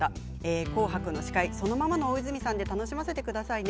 「紅白」の司会そのままの大泉さんで楽しませてくださいね。